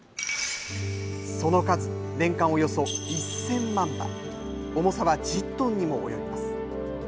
その数、年間およそ１０００万羽重さは１０トンにも及びます。